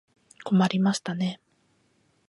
困りましたね。